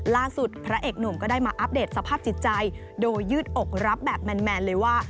พระเอกหนุ่มก็ได้มาอัปเดตสภาพจิตใจโดยยืดอกรับแบบแมนเลยว่า